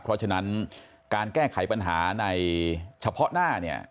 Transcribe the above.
เพราะฉะนั้นการแก้ไขปัญหาในเฉพาะหน้าเนี่ย